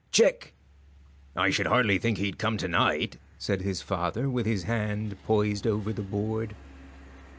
"Check." "I should hardly think that he'd come to night," said his father, with his hand poised over the board.